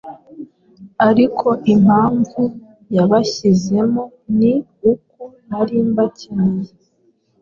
Ariko impamvu yabashyizemo ni uko nari mbakeneye.